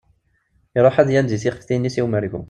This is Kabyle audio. Iruḥ ad yandi tixeftin-is i umergu.